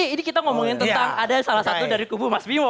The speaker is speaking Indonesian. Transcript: ini kita ngomongin tentang ada salah satu dari kubu mas bimo